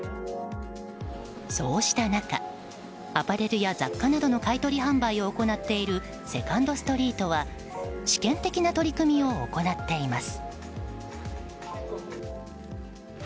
そうした中、アパレルや雑貨などの買い取り販売を行っているセカンドストリートは試験的な取り組みを行っています。